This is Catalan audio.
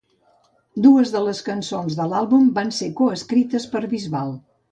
Dues de les cançons de l'àlbum van ser coescrites per Bisbal.